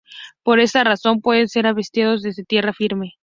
Por esta razón, pueden ser avistados desde tierra firme.